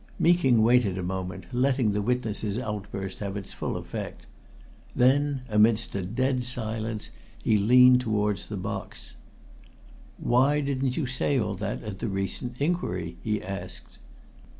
Meeking waited a moment, letting the witness's outburst have its full effect. Then, amidst a dead silence, he leaned towards the box. "Why didn't you say all that at the recent inquiry?" he asked.